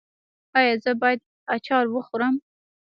ایا زه باید اچار وخورم؟